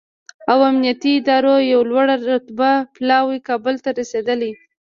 او امنیتي ادارو یو لوړ رتبه پلاوی کابل ته رسېدلی